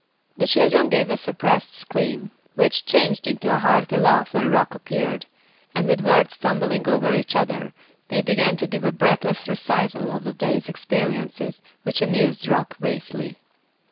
The children gave a suppressed scream which changed into a hearty laugh when Rock appeared; and with words tumbling over each other they began to give a breathless recital of the day's experiences which amused Rock vastly.